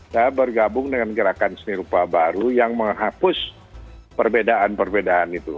saya bergabung dengan gerakan seni rupa baru yang menghapus perbedaan perbedaan itu